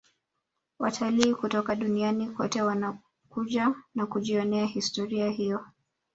watalii kutoka duniani kote wanakuja na kujionea historia hiyo